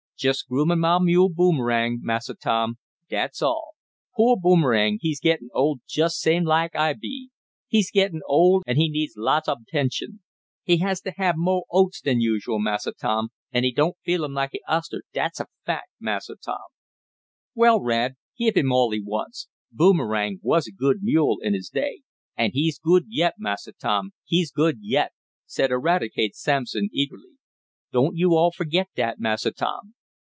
"Jest groomin' mah mule Boomerang, Massa Tom, dat's all. Po' Boomerang he's gittin' old jest same laik I be. He's gittin' old, an' he needs lots ob 'tention. He has t' hab mo' oats dan usual, Massa Tom, an' he doan't feel 'em laik he uster, dat's a fac', Massa Tom." "Well, Rad, give him all he wants. Boomerang was a good mule in his day." "An' he's good yet, Massa Tom, he's good yet!" said Eradicate Sampson eagerly. "Doan't yo' all forgit dat, Massa Tom."